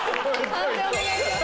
判定お願いします。